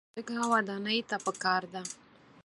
شګه ودانۍ ته پکار ده.